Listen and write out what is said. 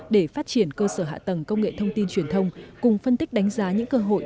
để phát triển cơ sở hạ tầng công nghệ thông tin truyền thông cùng phân tích đánh giá những cơ hội